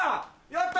やった！